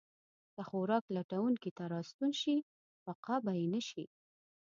که خوراک لټونکي ته راستون شي، بقا به یې نه شي.